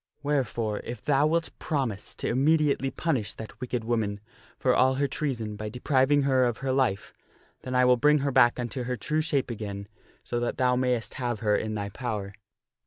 Wherefore, if thou wilt promise to immediately punish that wicked woman for all her treason by depriving her of her life, then will I bring her back unto her true shape again so that thou mayst have her in thy power."